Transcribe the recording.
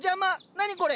何これ？